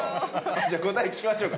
じゃあ答え聞きましょうか。